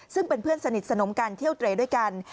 ซึ่งเป็นเพื่อนสนิทสนมกันเที่ยวเตรด้วยกัน